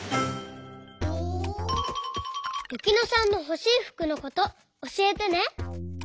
ゆきのさんのほしいふくのことおしえてね。